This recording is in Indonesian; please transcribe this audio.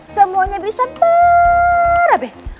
semuanya bisa berabeh